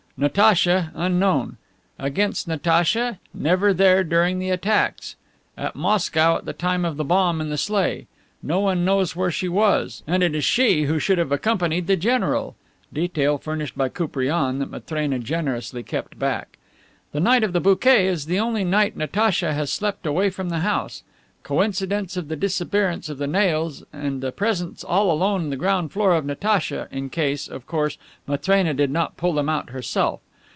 Natacha unknown. Against Natacha: Never there during the attacks. At Moscow at the time of the bomb in the sleigh, no one knows where she was, and it is she who should have accompanied the general (detail furnished by Koupriane that Matrena generously kept back). The night of the bouquet is the only night Natacha has slept away from the house. Coincidence of the disappearance of the nails and the presence all alone on the ground floor of Natacha, in case, of course, Matrena did not pull them out herself.